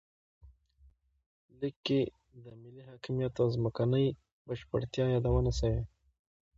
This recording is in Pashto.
لیک کې د ملي حاکمیت او ځمکنۍ بشپړتیا یادونه شوې.